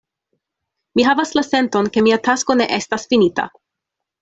Mi havas la senton, ke mia tasko ne estas finita.